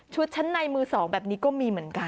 ชั้นในมือสองแบบนี้ก็มีเหมือนกัน